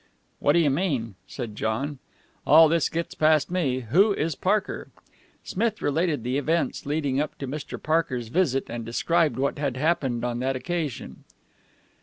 "What do you mean?" said John. "All this gets past me. Who is Parker?" Smith related the events leading up to Mr. Parker's visit, and described what had happened on that occasion.